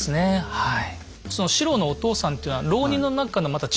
はい。